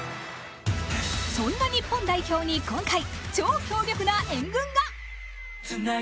そんな日本代表に今回、超強力な援軍が。